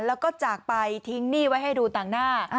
แล้วก็จากไปทิ้งหนี้ไว้ให้ดูต่างหน้า